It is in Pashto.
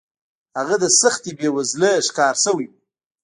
هغه د سختې بېوزلۍ ښکار شوی و.